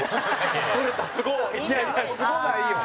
蛍原：すごないよ。